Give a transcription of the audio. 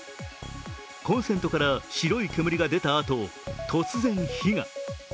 コンセントから白い煙が出たあと突然、火が。